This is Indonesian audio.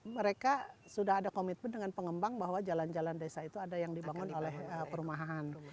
mereka sudah ada komitmen dengan pengembang bahwa jalan jalan desa itu ada yang dibangun oleh perumahan